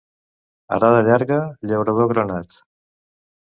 Arada llarga, llaurador granat.